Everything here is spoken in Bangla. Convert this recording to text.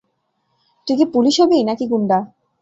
তুই কি পুলিশ হবি না-কি গুন্ডা?